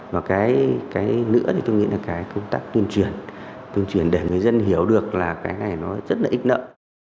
và cái nữa thì tôi nghĩ là cái công tác tuyên truyền tuyên truyền để người dân hiểu được là cái này nó rất là ít nợ